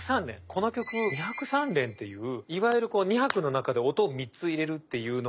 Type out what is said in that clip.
この曲２拍３連っていういわゆる２拍の中で音を３つ入れるっていうのが結構多用されるの。